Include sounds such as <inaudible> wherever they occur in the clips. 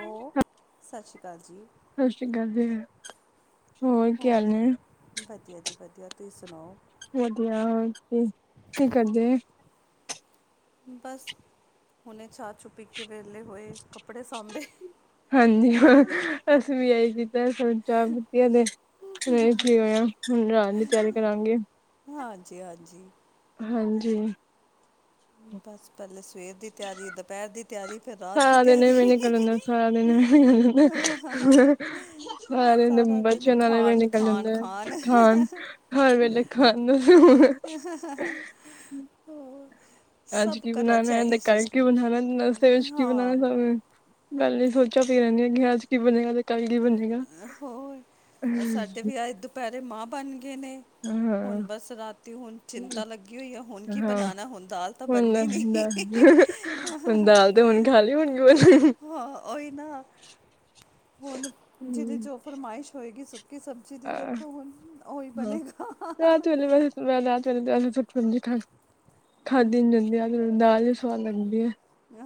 Hello ਸਤਿ ਸ਼੍ਰੀ ਅਕਾਲ ਜੀ। ਸਤਿ ਸ਼੍ਰੀ ਅਕਾਲ ਜੀ। ਕੀ ਹਾਲ ਹੋਰ ਨੇ ਵਧੀਆ ਜੀ ਵਧੀਆ ਤੁਸੀਂ ਸੁਣਾਓ। ਵਧੀਆ ਕੀ ਕਰਦੇ। ਬਸ ਹੁਣੇੇ ਚਾਹ ਚੂ ਪੀ ਕੇ ਵਿਹਲੇ ਹੋਏ ਕੱਪੜੇ ਸਾਂਭੇ ਹਾਂਜੀ। ਹ- ਅਸੀਂ ਵੀ ਆਹੀ ਚੀਜਾਂ ਚੁਪ-ਚਾਪ ਕੀਤੀਆਂ ਨੇ। ਨਹੀਂ ਠੀਕ ਹੋਇਆ, ਹੁਣ ਰਾਤ ਦੀ ਤਿਆਰੀ ਕਰਾਂਗੇ। ਹਾਂਜੀ- ਹਾਂਜੀ। ਹਾਂਜੀ। ਬਸ, ਪੈਲਿਸ ਸਵੇਰ ਦੀ ਤਿਆਰੀ, ਦੁਪਹਿਰ ਦੀ ਤਿਆਰੀ, ਫਿਰ ਰਾਤ ਦੀ ਸਾਰਾ ਦਿਨ ਤਿਆਰੀ। ਇਵੇਂ ਨਿਕਲ ਜਾਂਦਾ ਸਾਰਾ ਦਿਨ ਇਵੇਂ ਨਿਕਲ ਜਾਂਦਾ ਸਾਰਾ ਦਿਨ ਬੱਚਿਆਂ ਨਾਲ ਇਵੇਂ ਖਣ- ਨਿਕਲ ਖਣ ਜਾਂਦਾ -ਖਣ। ਖਾਂ ਹਾ-ਹਾ-ਹਾ ਅੱਜ ਕੀ ਬਣਾਉਣਾ ਤੇ ਕੱਲ ਕਿ ਬਣਾਉਣਾ ਨਸੇ ਵਿੱਚ ਕੀ ਬਣਾਣਾ ਹਾਂ ਸ ਪਹਿਲੇ ਨਹੀਂ ਸੋਚਿਆ ਪ, ਕਿ ਅੱਜ ਕੀ ਬਣੇਗਾ ਫੇਰ। ਹੋਰ, ਸਾਡੇ ਵੀ ਅੱਜ ਦੁਪਹਿਰੇ ਮਾਂ ਬਣ ਗਏ ਨੇ। ਹਾਂ ਹੁਣ ਬਸ ਰਾਤੀ ਹੁਣ ਚਿੰਤਾ ਲੱਗੀ ਹੋਈ ਹੈ ਹੁਣ ਕੀ ਹਾਂ ਬਣਾਉਣਾ ਹੁਣ ਦਾਲ। ਤਾਂ ਬਣਨੀ ਨਹੀਂ ਹੁਣ- ਹੁਣ ਦਾਲ ਤੇ ਹੁਣ ਖਾ ਲੀ ਹੁਣ ਕੀ ਬਣਏ। ਹ <inaudible> ਹੁਨ ਜਿਹਦੀ ਜੋ ਫਰਮਾਇਸ਼ ਹੋਏਗੀ ਸੁੱਕੀ ਸਬਜ਼ੀ ਅ ਦੀ ਦੇਖੋ ਹਾਂ ਹੁਣ, ਉਹੀ ਬਣੇਗਾ। ਮੈ ਦਰੇ ਸੁੀਜ਼ੀ ਖਾ ਖਾਦੀ ਨੀ ਜਾਂਦੀ ਆ ਦਾਲ ਹੀ ਸਵਾਦ ਲੱਗਦੀ ਹੈ।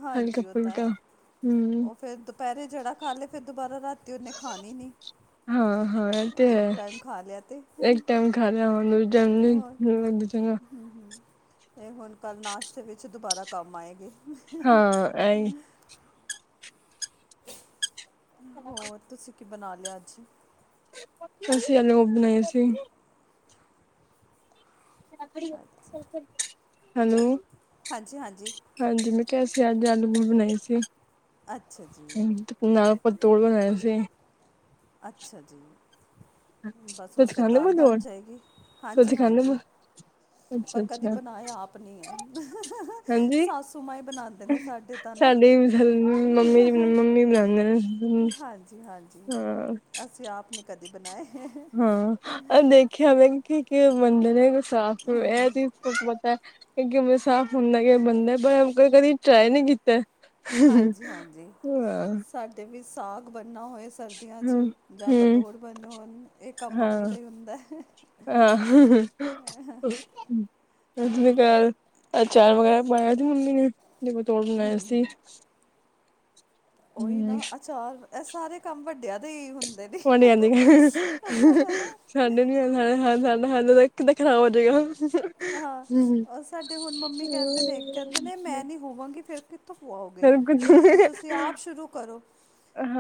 ਹਾਂਜੀ। ਉਹ ਤਾਂ ਹੈ, ਹੂੰ ਉਹ ਫੇਰ ਦੁਪਹਿਰੇ ਜਿਹੜਾ ਖਾ ਲੈ ਫਿਰ ਦੁਬਾਰਾ ਰਾਤ ਅਤੇ ਉਹਨੇ ਖਾਣੀ ਨਹੀਂ। ਹਾਂ- ਹਾਂ ਏ ਤੇ ਇੱਕ ਹੈ, ਟਾਈਮ ਖਾ ਲਿਆ ਤੇ ਇੱਕ ਟਾਈਮ ਖਾ ਲ ਦੂ ਟਾਈਮ ਨਹੀਂ। ਹ ਇਹ ਹੁਣ ਕੱਲ੍ਹ ਨਾਸ਼ਤੇ ਦੇ ਵਿੱਚ ਦੁਬਾਰਾ ਕੰਮ ਆਏਗੀ। ਹਾਂ। ਆ ਹੋਰ ਤੁਸੀਂ ਕੀ ਬਣਾ ਲਿਆ ਅੱਜ? ਅਸੀਂ ਆੇ ਉਹ ਬਣਾਏ ਸੀ। ਅੱਛਾ ਹੈਲੋ, ਹਾਂਜੀ- ਹਾਂਜੀ। ਹਾਂਜੀ। ਮੈਂ ਕਿਹਾ ਸੀ ਅੱਜ ਆਲੂ ਬੂਲ ਬਣਾਏ ਸੀ। ਅੱਛਾ ਜੀ ਤੇ ਨਾਲ ਪੱਤੋੜ ਬਣਾਏ ਸੀ। ਅੱਛਾ ਜੀ। ਬਸ ਹੁਣ ਤੁਸੀਂ ਫਿਰ ਖਾਂਦੇ ਹੋ ਦਾਲ ਬਣ ਪਤੋੜ ਜਾਏਗੀ। ਤੁਸੀਂ ਹਾਂਜੀ- ਖਾਂਦੇ ਹੋ? ਹਾਂਜੀ। ਅੱਛਾ ਪਰ ਅੱਛਾ ਕਦੇ ਬਣਾਏ ਆਪ ਨਹੀਂ ਹੈ। ਹਾਂਜੀ ਸਸੂ ਮਾਈ ਬਣਾਉਂਦੇ ਨੇ ਸਾਡੇ। ਨਾ-ਨਾ, ਸਾਡੇ ਮੰਮੀ ਮੰਮੀ ਬਣਾਉਂਦੇ ਨੇ ਹਾਂਜੀ- ਹਾਂਜੀ। ਹਾਂ ਅਸੀਂ ਆਪ ਨੇ ਕਦੇ ਬਣਾਏ ਹੈ। ਹਾਂ। ਦੇਖਿਆ ਮੈਂ ਕਿਵੇਂ -ਕਿਵੇਂ ਬਣਦੇ ਏ ਸਾਸ ਇਹ ਚੀ ਪਤਾ ਹੈ। ਕਿ ਕਿਵੇਂ ਸਾਫ਼ ਹੁੰਦਾ ਕਿ ਬੰਦਾ ਪਰ ਕਦੀ ਟਰਾਈ ਨਹੀਂ ਕੀਤੀ। ਤੇ, ਹਾਂਜੀ ਹਾਂਜੀ ਹ ਸਾਡੇ ਵਿੱਚ ਸਾਗ ਬਣਨਾ ਹੋਏ ਸਰਦੀਆਂ 'ਚ ਹਮ ਜਾਂ ਹਮ ਪਤੋੜ ਬਣਣੇ ਹੋਣ ਇਹ ਕੰਮ ਮੰਮੀ ਦਾ ਹੀ ਹੁੰਦਾ। ਆਹ ਸ਼ਸੀ ਅਕਾਲ। ਘਹ ਅਚਾਰ ਵਗੈਰਾ ਪਆ ਸੀ ਮੰਮੀ ਨੇ ਜਵੇ ਪਤੋੜ ਬਣਾਇਆ ਸੀ। ਉਹੀ ਹਮ ਨਾ ਅਚਾਰ, ਇਹ ਸਾਰੇ ਕੰਮ ਵੱਡਿਆਂ ਦੇ ਹੀ ਹੁੰਦੇ। ਤੁਹਾਡੇ ਆਂਦੀ <unintelligible> ਸਾਡੇ ਨੀ ਆ ਹ ਸਾਡਾ ਹ ਕਿ ਤਾਂ ਖਰਾਬ ਹੋ ਜਾਏਗਾ। ਹਾਂ। ਸਾਡੇ ਹੁਣ ਮੰਮੀ ਹਾਂ ਕਹਿੰਦੇ ਨੇ, ਕਹਿੰਦੇ ਨੇ ਮੈਂ ਨੀ ਹੋਵਾਂਗੀ ਫਿਰ ਆਓਗੇ, ਤੁਸੀਂ ਆਪ ਸ਼ੁਰੂ ਕਰੋ,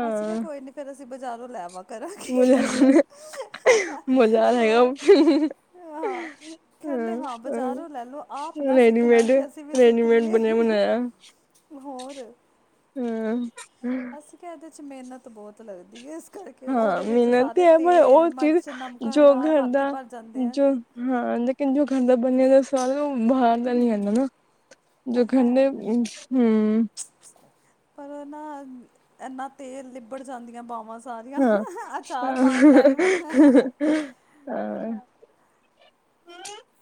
ਅਸੀਂ ਕਿਹਾ ਕੋਈ ਨ ਫੇਰ, ਅਸੀਂ ਬਜ਼ਾਰੋਂ ਲੈ ਆਵਾਂਗੇ। ਕਰੋਗੇ ਮੁਲਾਲ ਮੁਲਾਲ ਹੈਗਾ ਹੋਰ ਹਾਂ। ਕੈਹਦੇ ਹਾਂ, ਬਾਜ਼ਾਰੋਂ ਲੈ ਲਓ, ਆਪ ਨਾ ਸਿੱਖਣਾ ਰੈਡੀਮੇਡ ਕੇ ਅਸੀਂ ਵੀ ਸਿੱਖ ਰੈਡੀਮੇਡ ਲਈਏ। ਬਣਿਆ ਬਣਾਇਆ ਹੋਰ। ਹੂੰ। ਅਸੀ ਕਿਆ ਏਹਦੇ 'ਚ ਮਿਹਨਤ ਬੋਤ ਲੱਗਦੀ ਐ। ਏਸ ਕਰਕੇ ਹਾਂ ਓਹਦੇ ਵਿੱਚ ਮਿਹਨਤ ਤੇ ਸਾਰੇ ਹੈ ਪਰ ਤੇਲ ਉਹ ਚੀਜ਼ ਮਿਰਚ ਨਮਕਨ ਜੋ ਨਾਲ ਘਰ ਹੱਥ ਈ ਦਾ ਭਰ ਜਾਂਦੇ ਹੈ। ਜੋ ਹਾਂ, ਲੇਕਿਨ ਜੋ ਖਾਂਦਾ ਬਣੇ ਦਾ ਚੱਲ, ਬਾਹਰ ਦਾ ਨੀ ਆਦਾ, ਨਾ ਜੋ ਉਹ ਤਾਂ ਕੈਹਦੇ ਹੈ ਹੂੰ ਪਰ ਓ ਨਾ, ਐਨਾ ਤੇਲ ਲਿਬੜ ਜਾਂਦੀਆਂ ਬਾਹਵਾਂ ਸਾਰੀਆਂ ਹਾਂ ਅਚਾਰ ਪਾਣ ਟਾਈਮ ਹਾਂ।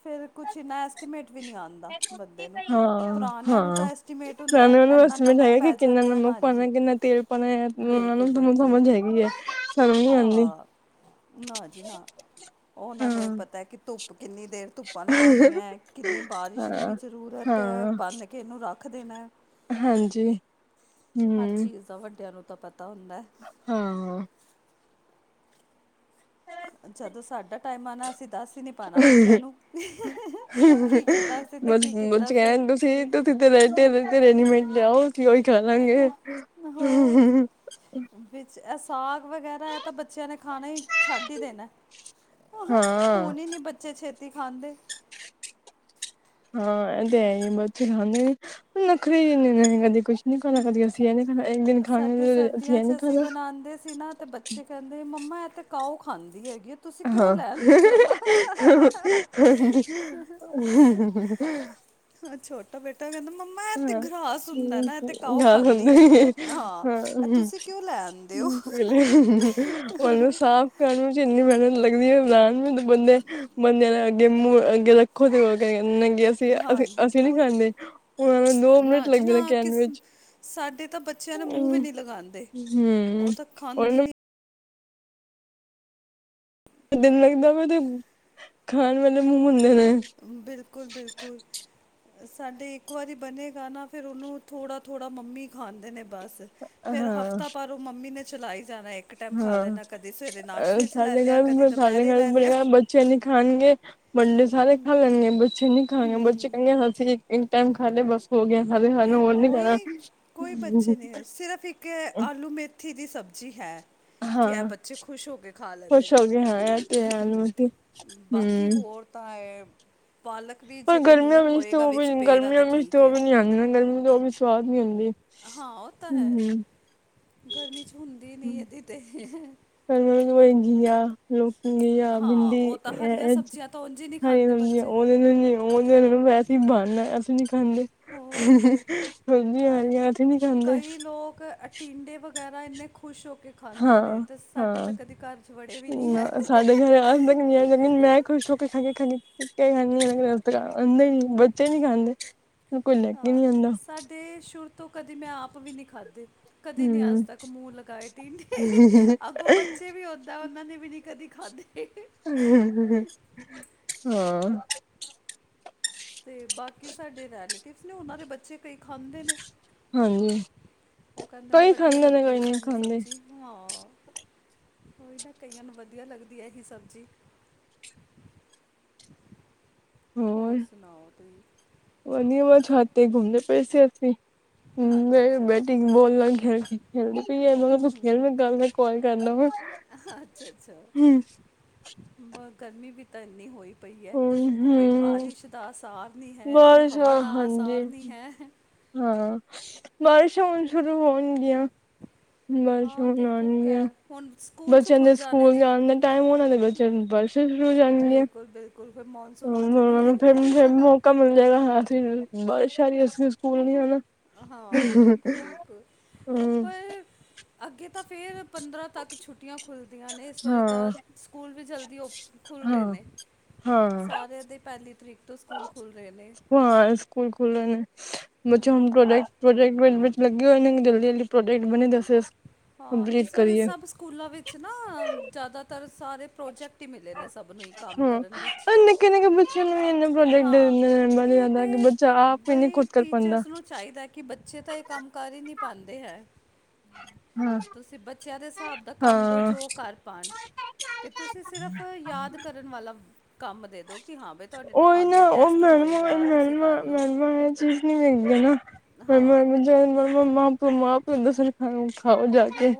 ਫੇਰ ਕੁਛ ਨਾ ਐਸਟੀਮੇਟ ਵੀ ਨੀ ਆਂਦਾ। ਬੰਦੇ ਨੂੰ ਹਾਂ ਪੁਰਾਣਿਆਂ ਨੂੰ ਹਾਂ ਤਾਂ ਐਸਟੀਮੇਟ ਹੁੰਦਾ, ਸਾਨੂੰ ਉਹਨੂੰ ਏਨਾ ਐਸਟੀਮੇਟ ਨਮਕ ਹੈਗਾ ਕਿ ਪੈ ਕਿੰਨਾ ਜਾਣਾ ਨਮਕ ਪਾਉਣਾ ਹਾਂਜੀ। ਕਿੰਨਾ ਤੇਲ ਪਾਣਾ, ਏਨਾ ਬਿਲਕੁਲ ਨੂੰ ਬਿਲਕੁਲ ਸਮਝ ਹੈਗੀ ਹੈ। ਸਾਨੂੰ ਨੀ ਆਉਂਦੀ ਹਾਂ, ਨਾ ਜੀ ਨਾ, ਓਨਾਂ ਨੂੰ ਏਹ ਹਾਂ। ਪਤਾ ਕਿ ਧੁੱਪ ਕਿੰਨੀ ਦੇਰ ਧੁੱਪਾਂ ਲਵਾਂਣੀਆਂ, ਕਿੰਨੀ ਬਾਰਿਸ਼ ਦੀ ਵੀ ਜ਼ਰੂਰਤ ਹੈ, ਹਾਂ ਬੰਨ੍ਹ ਕੇ ਏਹਨੂੰ ਰੱਖ ਦੇਣਾ ਹਾਂਜੀ। ਹਰ ਹਮ ਚੀਜ਼ ਦਾ ਵੱਡੇਆਂ ਨੂੰ ਤਾਂ ਪਤਾ ਹੁੰਦਾ ਹੈ। ਹਾਂ। ਜਦੋਂ ਸਾਡਾ ਟਾਈਮ ਆਣਾ, ਅਸੀਂ ਦੱਸ ਹੀ ਨੀ ਪਾਣਾ ਬੱਚੇਆਂ ਨੂੰ, ਕੀ ਕਿੱਦਾਂ ਸੀ, ਤੇ ਕੀ ਕਿੱਦਾਂ ਸੀ। ਰਹਤੇ -ਰਹਤੇ ਰੈਡੀਮੇਡ ਲਿਆਓ, ਕਿ ਓਹੀ ਖਾਲਾਂਗੇ। ਹੋਰ ਵਿੱਚ ਐ ਸਾਗ ਵਗੈਰਾ ਹੈ, ਤਾਂ ਬ ਬੱਚੇਆਂ ਨੇ ਖਾਣਾ ਹੀ ਛੱਡ ਹੀ ਦੇਣਾ, ਹਾਂ ਹੁਣ ਹੀ ਨੀ ਬੱਚੇ ਛੇਤੀ ਖਾਂਦੇ। ਹਾਂ, ਏਹ ਤੇ ਹੈ ਹੀ ਬੱਚੇ ਮੰਨਦੇ ਆ, ਨਖਰੇ ਕਦੇ ਕੁਛ ਨਈ ਖਾਣਾ ਕਦੀ ਅਸੀ, ਇੱਕ ਦਿਨ ਖਾਵਾਗੇ ਅਸੀਆ ਨੀ ਖਾਣਾ ਆਦੇ ਸੀ ਨਾ ਤੇ ਬੱਚੇ ਬੱਚੇ ਕੈਹਦੇ, ਮੰਮਾ ਏਹ ਤਾਂ ਕਾਓ ਖਾਂਦੀ ਹੈਗੀ ਆ। ਤੁਸੀਂ ਕਿਓ ਲੈਂ ਆਂਦੇ ਓ? ਹਾਂ। ਛੋਟਾ ਬੇਟਾ ਕੈਹਦਾ, ਮੰਮਾ ਏਹ ਤੇ ਗਰਾਸ ਹੁੰਦਾ ਨਾ ਤੇ ਕਾਓ ਗੱਲ ਖਾਂਦੀ ਹੁੰਦੀ ਹੈਗੀ ਨੀ, ਹੈ ਹਾਂ ਇਹ ਉਹਨੂੰ <inaudible> ਤੁਸੀਂ ਕਿਉਂ ਲੈਂਦੇ ਹੋ ਹਾਂਜੀ ਉਹ <inaudible> ਦੋ ਨਾ ਮਿੰਟ ਜੀ ਲੱਗਦੇ ਨੇ ਨਾ, ਕਹਿਣ ਕਿਸ ਵਿੱਚ ਸਾਡੇ ਤਾਂ ਬੱਚੇਆਂ ਨੂੰ ਮੂੰਹ ਵੀ ਨੀ ਲਗਾਂਦੇ। ਹੂੰ, ਉਹਨੂੰ ਦਿਨ ਲੱਗਦਾ, ਤੇ ਖਾਣ ਵਾਲੇੇ ਹੁੰਦੇ ਨੇ। ਬਿਲਕੁਲ-ਬਿਲਕੁਲ। ਸਾਡੇ ਇੱਕ ਵਾਰੀ ਬਣੇਗਾ ਨਾ, ਫੇਰ ਓਨੂੰ ਥੋੜ੍ਹਾ-ਥੋੜ੍ਹਾ ਮੰਮੀ ਖਾਂਦੇ ਨੇ ਬਸ ਫੇਰ ਹਾਂ ਹਫ਼ਤਾ ਭਰ ਓ ਮੰਮੀ ਨੇ ਚਲਾਈ ਜਾਣਾ, ਇੱਕ ਟੈਮ ਖਾ ਹਾਂ ਲੈਣਾ ਕਦੀ ਸਵੇਰੇ ਨਾਸ਼ਤੇ ਚ ਲੈ ਲਿਆ, ਕਦੀ ਦੁਪੈਰੇ ਲੈ ਲਿਆ। ਬੱਚੇ ਨੀ ਖਾਣਗੇ, ਬੰਡੇ ਸਾਰੇ ਖਾ ਲੈਣਗੇ ਬੱਚੇ ਨੀ ਖਾਗੇ ਬੱਚੇ ਕੈਹਣਗੇ, ਅਸੀ ਇੱਕ ਟੈਮ ਖਾ ਲਿਆ। ਬਸ ਹੋ ਗਿਆ, ਹਲੇ ਸਾਨੂੰ ਹੋਣ ਨੀ ਪੈਣਾ। ਉਹੀ ਕਿ ਆਲੂ ਮੇਥੀ ਦੀ ਸਬਜ਼ੀ ਹੈ। ਕਿ ਐ ਬੱਚੇ ਖੁਸ਼ ਹੋ ਕੇ ਖਾ ਲੈਂਦੇ ਨੇ, ਹੂ ਹੂ ਬਾਕੀ ਹੋਰ ਪਾ-ਪਾਲਕ ਪਰ ਗਰਮੀਆਂ ਵਿੱਚ ਤਾਂ ਏਹੀ ਵੀ ਗਰਮੀਆਂ ਤੇ ਵਿੱਚ ਤਾਂ ਠੀਕ ਉਹ ਹੈ ਵੀ ਨ ਆਦੀਆ ਗਰਮੀਆਂ ਚ ਉਹ ਵੀ ਸਵਾਦ ਨਹੀਂ ਹੁੰਦੀ। ਹਾਂ ਉਹ ਤਾਂ ਹੈ, ਹਮ ਗਰਮੀ ਚ ਹੁੰਦੀ ਨਹੀਂ ਐਦੀ ਤੇ। ਹੋਰ ਵਧੀਆ। ਲੋਕੀ, ਘੀਆ, ਹਾਂ ਬਿੰਡੀ, ਉਹ ਤਾਂ ਹਰੀਆਂ ਏਜ, ਸਬਜ਼ੀਆਂ ਤਾਂ ਉਂਝ ਹੀ ਨਹੀਂ ਖਾਂਦੇ ਹਰੀਆਂ <unintelligible> ਬੱਚੇ ਉਹਦੇ ਉਹਦੇ ਚ ਵੈਸੀ ਬਣਾ ਐ, ਅਸੀਂ ਨੀ ਖਾਂਦੇ। ਹੋਰ ਸਰਦੀ ਆ ਅ ਰਹੀ ਆਥ ਨੀ ਖਾਂਦੇ? ਕਈ ਲੋਕ ਅੱ ਟਟੀਂਡੇ ਵਗੈਰਾ ਇੰਨੇ ਖੁਸ਼ ਹੋ ਕੇ ਖਾਂਦੇ ਹਾਂ ਨੇ ਤੇ ਸਾਡੇ ਤਾਂ ਕਦੇ ਘਰ ਜ ਵੜੇ ਵੀ ਨੀ ਐ। <unintelligible> ਇੰਨੇ ਖੁਸ਼ ਹੋ ਕੇ ਖਾਂਦੇ ਨੇ ਚੰਗੀ ਗੱਲ ਏ। ਹਾਂ, ਸਾਡੇ ਸ਼ੁਰ ਤੋਂ ਕਦੇ ਮੈਂ ਆਪ ਵੀ ਨੀ ਖਾਧੇ। ਕਦੇ ਨੀ ਅੱਜ ਹੂੰ ਤੱਕ ਮੂੰਹ ਲਗਾਏ ਟੀਂਡੇ, ਅੱਗੋਂ ਬੱਚੇ ਵੀ ਉਦ ਤਾਂ ਉਹਨਾਂ ਨੇ ਵੀ ਨਹੀਂ ਕਦੀ ਖਾਧੇ। <inaudible> ਹਾਂ ਤੇ ਬਾਕੀ ਸਾਡੇ ਰੈਲੇਟਿਵਸ ਨੇ ਉਹਨਾਂ ਦੇ ਬੱਚੇ ਕਈ ਖਾਂਦੇ ਨੇ। ਹਾਂਜੀ ਉਹ ਕਹਿੰਦੇ ਨੇ ਕੋਈ ਵਧੀਆ ਖਾਂਦੇ ਨੇ ਲੱਗਦੀ ਕੋਈ ਐ ਨਹੀਂ ਸਾਨੂੰ ਖਾਂਦੇ ਸਬਜ਼ੀ। ਹਾਂ, ਕੋਈ ਨਾ ਕਈਆਂ ਨੂੰ ਵਧੀਆ ਲੱਗਦੀ ਐ ਏਹੀ ਸਬਜ਼ੀ। ਹੋਰ ਸੁਣਾਓ ਤੁਸੀਂ? ਵਧੀਆ ਛੋਟੇ ਦਿਨ ਦੇ ਪੇ ਸੀ ਅਸੀਂ। ਅੱਛਾ ਮੈਂ ਅੱਛਾ ਬੈਟਿੰਗ ਬੋਲ ਖੇਲ <unintelligible> ਤੂੰ ਖੇਲ ਮੈਂ ਓਈ ਕਹਿੰਦਾ ਅੱਛਾ ਅੱਛਾ, ਬ ਗਰਮੀ ਵੀ ਤਾਂ ਇੰਨੀ ਹੋਈ ਪਈ ਐ। ਕੋਈ ਹੂੰ ਬਾਰਿਸ਼ ਦਾ ਆਸਾਰ ਨਹੀਂ ਹੈ ਕੋਈ ਬਾਰਿਸ਼ ਹਵਾ ਆ ਦਾ ਹਾਂਜੀ ਆਸਾਰ ਨਹੀਂ ਐ। ਹਾਂ, ਬਾਰਿਸ਼ਾਂ ਹੁਣ ਸ਼ੁਰੂ ਹੋਣਗੀਆਂ। ਬਸ ਹਾਂ ਹੁਣ ਆਣ ਦੇਖੋ ਗੀਆ। ਕੈ ਹੁਣ ਸਕੂਲ ਚ ਬੱਚਿਆਂ ਦੇ ਖੁੱਲ ਜਾਣੇ ਸਕੂਲ ਨੇ ਜਾਣ ਦਾ ਟਾਈਮ ਹੋਣਾ ਤੇ ਬੱਚਿਆਂ ਨੂੰ ਬਾਰਿਸ਼ਾਂ ਸ਼ੁਰੂ ਹੋ ਜਾਣਗੀਆਂ। ਕੋਈ -ਕੋਈ ਮੌਨਸੂਨ ਆ ਜਾਣੀ ਉਹਨਾਂ ਐ। ਨੂੰ ਫਿਰ ਫਿਰ ਮੌਕਾ ਮਿਲ ਜਾਏਗਾ <unintelligible> ਨੂੰ ਬਾਰੀਸਾ਼ ਨੇ ਸਕੂਲ ਨੀ ਜਾਣਾ। ਹਾਂ ਬਿਲਕੁਲ ਬਿਲਕੁਲ, ਹਮ ਪਰ ਅੱਗੇ ਤਾਂ ਫਿਰ ਪੰਦਰਾਂ ਤੱਕ ਛੁੱਟੀਆਂ ਖੁੱਲਦੀਆਂ ਨੇ ਇਸ ਵਾਰੀ ਤਾਂ, ਹਾਂ ਸਕੂਲ ਵੀ ਜਲਦੀ ਓ ਖੁੱਲ੍ਹ ਰਹੇ ਹਾਂ ਨੇ। ਹਾਂ ਸਾਰਿਆਂ ਦੇ ਪਹਿਲੀ ਤਰੀਕ ਤੋਂ ਸਕੂਲ ਖੁੱਲ ਰਹੇ ਨੇ। ਹਾ ਸਕੂਲ ਖੁਲ ਨੇ, ਹਮ ਬੱਚੇ ਨੇ ਹਮ ਪ੍ਰੋਡਕਟ ਪ੍ਰੋਜੈਕਟ ਵਿੱਚ ਲੱਗੇ ਹੋਏ ਨੇ ਇਹਨਾਂ ਨੇ ਜਲਦੀ ਜਲਦੀ ਪ੍ਰੋਜੈਕਟ ਬਣਨ ਦੱਸੇ ਸ। ਹਾਂ ਇਸ ਵਾਰੀ ਸਭ ਸਕੂਲਾਂ ਵਿੱਚ ਨਾ ਜ਼ਿਆਦਾਤਰ ਸਾਰੇ ਪ੍ਰੋਜੈਕਟ ਈ ਮਿਲੇ ਨੇ। ਸਭ ਨੂੰ ਹੀ ਕੰਮ ਕਰਨ ਵਿੱਚ ਕਈਆਂ ਦੇ ਬੱਚਿਆਂ ਨੂੰ ਵੀ ਇੰਨਾ ਪ੍ਰੋਡਜੈਕਟ ਦੇ ਹਾਂ ਇਹ ਦਿੰਦੇ ਨੇ ਤੇ ਕਿ ਬੱਚਾ ਆਪ ਹੀ ਨ ਬਈ ਖੁਦ ਕਰ ਪਾਦਾ। ਟੀਚਰਸ ਨੂੰ ਚਾਹੀਦਾ ਕਿ ਬੱਚੇ ਤਾਂ ਇਹ ਕੰਮ ਕਰ ਹੀ ਨਹੀ ਪਾਦੇ ਐ। ਹਾਂ ਤੁਸੀਂ ਬੱਚਿਆਂ ਦੇ ਹਿਸਾਬ ਦਾ ਕੰਮ ਦੋ ਹਾਂ ਜੋ ਉਹ ਕਰ ਪਾਣ। ਕਿ ਤੁਸੀਂ ਸਿਰਫ਼ ਯਾਦ ਕਰਨ ਵਾਲਾ, ਕੰਮ ਦੇ ਦੋ ਕਿ ਹਾਂ ਬਈ ਤੁਹਾਡੇ ਉਹੀ ਆਉਂਦੇ ਨਾ ਉਹ ਟੈਸਟ ਹੋਏਗਾ ਤੁਸੀਂ ਮੈਮਡਮਾ ਕਰ ਲਓ ਇਹ ਚੀਜ਼ ਨੀ ਦੇਖਦੇ ਨੇ। ਹੁਣ ਇੰਨੇ ਹਾਂ ਜਾਣਾ ਐ। ਮਾਂ ਪਿਓ- ਮਾਂ ਪਿਓ ਹੁੰਦਾ ਸਿਰ ਖਾਓ ਜਾ ਕੇ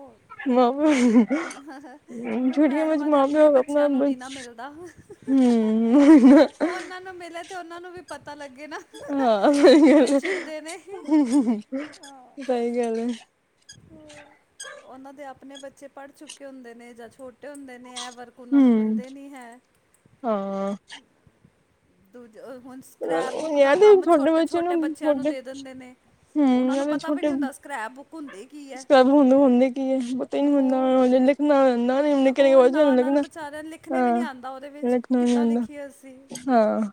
ਮਾਂ ਪਿਓ, ਹ ਹਾ--ਬਈ ਮੈਡਮਾਂ ਦੇ ਆਪਣੇ ਆਪਣਾ ਬੱਚਿਆਂ ਹਮ ਨੂੰ ਨੀ ਨਾ ਮਿਲਦਾ ਹੇ--ਓ, ਉਹਨਾਂ ਨੂੰ ਮਿਲੇ ਤੇ ਉਹਨਾਂ ਨੂੰ ਵੀ ਪਤਾ ਲੱਗੇ ਨਾ, ਹਾਂ ਬਾਈ ਕਿਵੇਂ ਗੱਲ ਚਿੜਦੇ ਨੇ ਐ ਹੁਹੁ ਸਈ ਗੱਲ ਐ, ਹਾ--ਉਹਨਾਂ ਦੇ ਆਪਣੇ ਬੱਚੇ ਪੜ੍ਹ ਚੁੱਕੇ ਹੁੰਦੇ ਨੇ, ਜਾਂ ਛੋਟੇ ਹੁੰਦੇ ਨੇ, ਨਈ ਐ ਵਰਕ ਉਹਨਾਂ ਨੂੰ ਹਮ ਮਿਲਦੇ ਨੀ ਹੈ, ਹਾਂ। ਦੂਜ, ਹੁਣ, ਸਕ੍ਰੈਪ ਬੁੱਕ ਦਾ ਕੰਮ ਛੋਟੇ -ਛੋਟੇ ਬੱਚਿਆਂ ਨੂੰ ਦੇ ਦਿੰਦੇ ਨੇ, ਹਮ ਉਹਨਾ ਨੂੰ ਪਤਾ ਵੀ ਨਹੀਂ ਹੁੰਦਾ ਸਕ੍ਰੈਪ ਬੁੱਕ ਹੁੰ, ਸਕਰੈਪ ਬੁੱਕ ਹੁੰਦੀ ਕੀ ਆ ਪਤਾ ਹੀ ਨੀ ਹੋਰ ਹੁੰਦਾ ਲਿਖਣਾ ਨਾਲੇ ਨਿੱਕੇ - ਨਿੱਕੇ ਹੋਰ ਨਾ ਬਚੇੱਆ ਨੇ ਉਹਨਾਂ ਨੂੰ ਲਿਖਣਾ, ਵਿਚਾਰਿਆਂ ਨੂੰ ਲਿਖਣੇ ਵੀ ਆ ਨਹੀਂ ਆਂਦਾ ਉਹਦੇ ਵਿੱਚ ਲਿਖਣਾ ਨਈ ਕਿੱਦਾਂ ਆਂਦਾ ਲਿਖੀਏ ਅਸੀਂ। ਹਾ,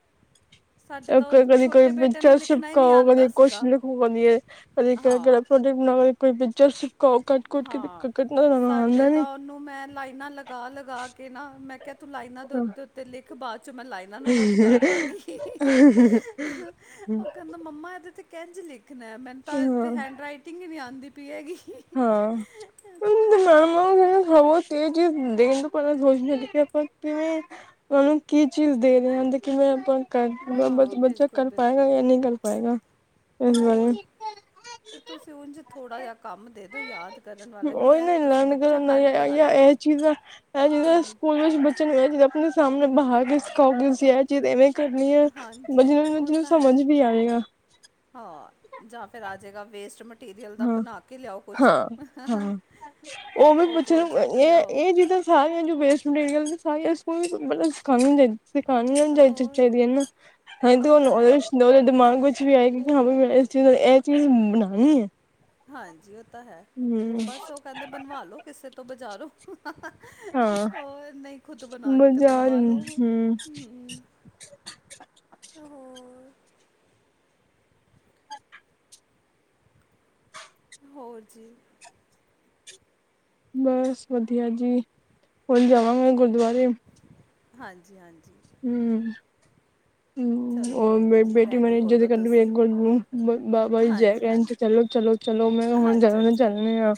ਸਾਡੇ ਤਾਂ ਉਹ ਕਦੀ ਕੋਈ ਛੋਟੇ ਬੇਟੇ ਨੂੰ ਬੱਚਾ ਸਿਰ ਲਿਖਣਾ ਹੀ ਨਹੀਂ ਖਾਉ ਆਂਦਾ ਕਦੇ ਕੁਛ ਸੀਗਾ। ਲਿਖੋ ਕਦੀ ਕਦੇ ਹਾਂ -ਕਦੇ, ਬਣਾ ਕੋਈ ਬੀਜਰਿੱ ਹਾਂ ਸਾਡੇ ਤਾਂ ਨੀ ਉਹਨੂੰ ਮੈਂ ਲਾਈਨਾਂ ਲਗ ਗ ਲਗਾ ਕੇ ਨਾ ਮੈਂ ਕਿਹਾ ਤੂੰ ਲਾਈਨਾਂ ਦੇ ਉੱਤੇ -ਉੱਤੇ ਲਿਖ ਬਾਅਦ ਚ ਮੈਂ ਲਾਈ-, ਇਹਨਾਂ ਨੂੰ ਰੱਬ ਕਰ ਦਾਂਗੀ, ਹੀ--ਉਹ ਕੇਦਾ, ਮੰਮਾ ਇਹਦੇ 'ਤੇ ਕੇੰਝ ਲਿਖਣਾ, ਮੈਨੂੰ ਤਾਂ ਇਹਦੇ 'ਤੇ ਹਾਂ ਹੈਂਡ ਰਈਟਿੰਗ ਹੀ ਨਹੀਂ ਆਉਂਦੀ ਪਈ ਹੈਗੀ, ਹੀਹੀ ਹਾਂ, ਪਰ ਇੰਜ ਲਾਨ ਨਾਲ ਹਵਾ ਤੇਜ ਹੁੰਦੀ ਮੈਨੂੰ ਪਤਾ, ਰੋਜ਼ ਮਿਲ ਕੇ ਆਪਾਂ ਕਿਵੇਂ ਉਹਨ ਨੂੰ ਕੀ ਚੀਜ਼ ਦੇ ਰਹੇ ਹੁੰਦੇ, ਕਿਵੇਂ ਆਪਾਂ, ਕਰ ਪਾਏਗਾ ਹਾਂ ਬੱਚਾ ਬਿਲਕੁਲ ਕਰ ਬਿਲਕੁਲ ਪਾਏਗਾ ਜਾਂ ਨਹੀਂ ਕਰ ਪਾਏਗਾ ਇਸ ਬਾਰੇ ਹੋਰ ਕਿ ਤੁਸੀਂ ਉਂਝਚ ਥੋੜ੍ਹਾ ਜਿਹਾ ਕੰਮ ਦੇ ਦਿਉ ਯਾਦ, ਕਰਨ ਵਾਲਾ ਕਿ ਓ ਇਹ ਨਹੀਂ ਤੁਸੀਂ ਲ ਬੱਚਾ ਕਰਕੇ ਆਉਣਾ ਗਰ ਚੀਜ਼ਾਂ ਹੈ ਜਿਦਾਂ ਹੂੰ ਸਕੂਲ ਵਿੱਚ ਬੱਚੇ ਨੂੰ ਹੈ ਜ, ਆਪਣੇ ਸਾਹਮਣੇ ਬਹਾ ਕੇ ਸਿਖਾਗੇ, ਚੀਜ਼ ਇਵੇਂ ਕਰਨੀ ਐ, ਹਾਂਜੀ ਬੱਚੇ ਨੂੰ ਉਹ ਜਿਵੇ ਤਾਂ ਹੈ ਸਮਝ ਵੀ ਆਏਗਾ, ਹਾਂ, ਜਾਂ ਫਿਰ ਆ ਜਾਏਗਾ ਵੇਸਟ ਮ ਮਟੀਰੀਅਲ ਦਾ ਹਾਂ ਬਣਾ ਕੇ ਲਿਆਓ ਕੁਛ, ਹਾਂ ਹਾਂ ਵੀ ਉਹ ਬੱਚੇ ਨੂੰ ਪ੍ਰੋਜੈਕਟ ਇਹ ਲਿਆਓ, ਇਹ ਚੀਜ਼ਾਂ ਸਾਰੀਆਂ ਜੋ ਵੇਸਟ ਮਟੀਰੀਅਲ ਨੇ ਸਾਰੀਆਂ ਸਕੂਲ ਵਿੱਚ ਮਤਲਬ ਸਿਖਾਂਦੇ ਨੇ, ਸਿਖਾਣੀਆ ਨਹੀ ਹੋਰ ਚਾਹੀਦੀਆ ਹੈ ਉਹ ਨਾ ਤਾਂ ਹੈ ਹੀ ਹੈ। ਨੋਲੇਜ-ਨੋਲੇਜ, ਦਿਮਾਗ ਕੁਛ ਵੀ ਆਏਗੀ ਹਾਂ, ਮੈਂ ਇਸ ਚੀਜ਼ ਇਹ ਚੀਜ਼ ਬਣਾਣੀ ਆ, ਹਾਂਜੀ, ਉਹ ਤਾਂ ਹੈ, ਬਸ ਉਹ ਕਹਿੰਦੇ ਬਣਵਾ ਲੋ ਕਿਸੇ ਤੋਂ ਬਜਾਰੋ, ਹਾਂ ਹਾਹਾ--ਔਰ ਨਹੀਂ ਖ਼ੁਦ ਬਣਵਾਨੀ ਤਾਂ ਬਾਜ਼ਾਰ ਬਣਵਾ ਲਉ, ਹਮ ਹੋਰ ਜੀ, ਬਸ ਵੱਧੀਆ ਜੀ, ਹੁਣ ਜਾਵਾਂਗਾ ਗੁਰਦੁਆਰੇ, ਹਾਂਜੀ- ਹਾਂਜੀ। ਹਮ- ਹਮ ਚਲੋ ਕੋਈ ਨਹੀਂ ਓ ਜੀ ਬੇਟੀ ਰੈਡੀ ਮੇਰੀ ਹੋ ਜਦ ਲਓ ਕੇਂਦੀ ਵੀ ਤੁਸੀਂ ਬਾਬਾਾਈ ਜੈ ਕੈਣ ਚ, ਹਾਂਜੀ-ਹਾਂਜੀ ਕੈਂਦੀ ਚਲੋ- ਚਲੋ -ਚਲੋ ਮੈਂ ਕੇਆ ਹੁਣ ਚਲ ਅੱਛਾ-ਅੱਛਾ ਚੱਲਣੇ ਆਾਂ,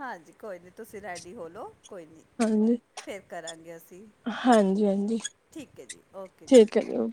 ਹਾਂਜੀ ਕੋਈ ਨਈ, ਤੁਸੀਂ ਰੈਡੀ ਹੋ ਲਉ, ਕੋਈ ਨਈ ਹਾਂਜੀ ਫਿਰ ਕਰਾਂਗੇ ਅਸੀਂ, ਹਾਂਜੀ -ਹਾਂਜੀ। ਠੀਕ ਏ ਜੀ, ਓਕੇ ਜੀ। ਚਲ ਓਕੇ। ??